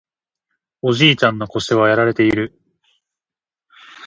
おじいちゃんの腰はやられている